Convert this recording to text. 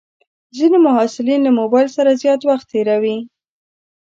ځینې محصلین له موبایل سره زیات وخت تېروي.